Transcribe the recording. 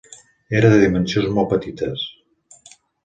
Era de dimensions molt petites.